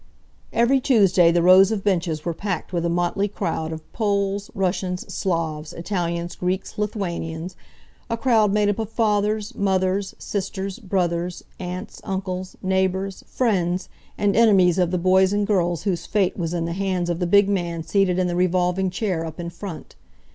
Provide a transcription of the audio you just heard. Every Tuesday the rows of benches were packed with a motley crowd of Poles, Russians, Slavs, Italians, Greeks, Lithuanians a crowd made up of fathers, mothers, sisters, brothers, aunts, uncles, neighbors, friends, and enemies of the boys and girls whose fate was in the hands of the big man seated in the revolving chair up in front.